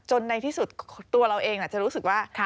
ในที่สุดตัวเราเองจะรู้สึกว่า